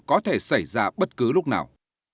có thể xảy ra bất cứ lúc nào